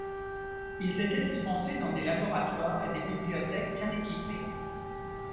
Ils étaient dispensés dans des laboratoires et des bibliothèques bien équipés.